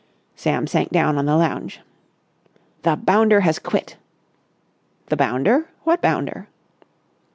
Sam sank down on the lounge. "The bounder has quit!" "The bounder? What bounder?"